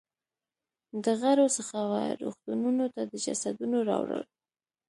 د غرو څخه وه رغتونونو ته د جسدونو راوړل.